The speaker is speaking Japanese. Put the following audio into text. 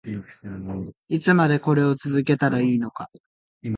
いつまでこれを続けたらいいのか